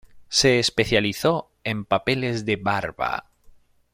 Se especializó en papeles de "barba".